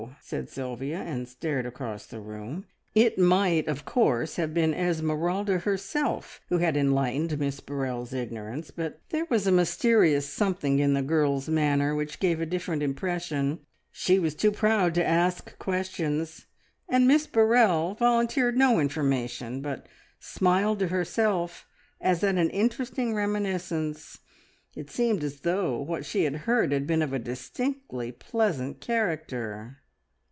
said Sylvia, and stared across the room. It might, of course, have been Esmeralda herself who had enlightened Miss Burrell's ignorance, but there was a mysterious something in the girl's manner which gave a different impression. She was too proud to ask questions, and Miss Burrell volunteered no information, but smiled to herself as at an interesting reminiscence. It seemed as though what she had heard had been of a distinctly pleasant character!